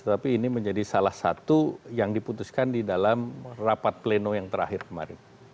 tapi ini menjadi salah satu yang diputuskan di dalam rapat pleno yang terakhir kemarin